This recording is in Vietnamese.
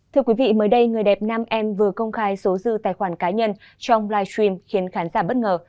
thưa quý vị mới đây người đẹp nam em vừa công khai số dư tài khoản cá nhân trong live stream khiến khán giả bất ngờ